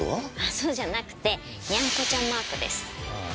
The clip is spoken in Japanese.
そうじゃなくてにゃんこちゃんマークです。